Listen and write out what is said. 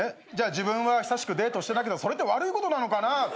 自分は久しくデートしてないけどそれって悪いことなのかな？